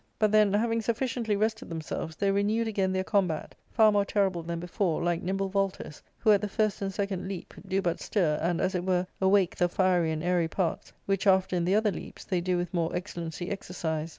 But then having sufficiently rested themselves, they re newed again their combat, far more terrible than before, like nimble vaulters, who at the first and second leap do but stir and, as it were, awake the fiery and airy parts, which after in the other leaps they do with more excellency exercise.